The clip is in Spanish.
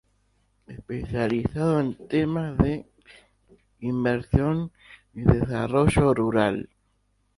Especializado en temas de inversión pública y desarrollo rural.